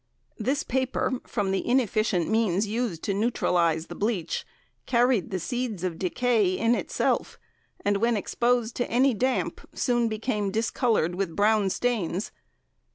This paper from the inefficient means used to neutralise the bleach, carried the seeds of decay in itself, and when exposed to any damp soon became discoloured with brown stains.